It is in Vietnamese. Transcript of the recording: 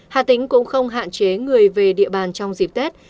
hạ tính cũng không hạn chế người về địa bàn trong dịp tết